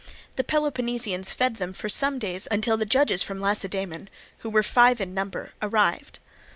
The Peloponnesians fed them for some days until the judges from Lacedaemon, who were five in number, arrived.